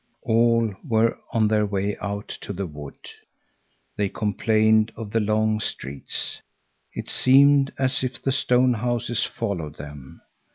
All were on their way out to the wood. They complained of the long streets. It seemed as if the stone houses followed them.